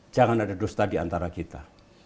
jangan ada dosa di antara kita